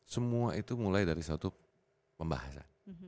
semua itu mulai dari suatu pembahasan